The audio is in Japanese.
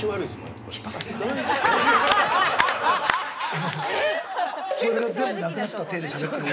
今、僕、それが全部なくなったていでしゃべってる。